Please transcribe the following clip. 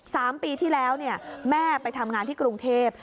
สามปีที่แล้วเนี่ยแม่ไปทำงานที่กรุงเทพ